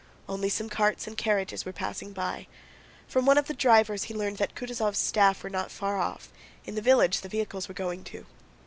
Only some carts and carriages were passing by. From one of the drivers he learned that Kutúzov's staff were not far off, in the village the vehicles were going to.